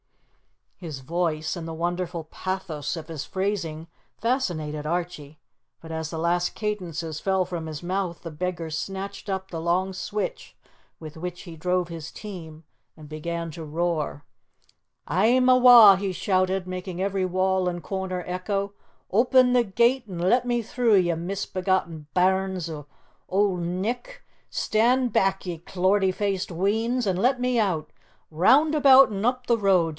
His voice, and the wonderful pathos of his phrasing, fascinated Archie, but as the last cadences fell from his mouth, the beggar snatched up the long switch with which he drove his team and began to roar. "A'm awa'!" he shouted, making every wall and corner echo. "Open the gate an' let me through, ye misbegotten bairns o' Auld Nick! Stand back, ye clortie faced weans, an' let me out! Round about an' up the road!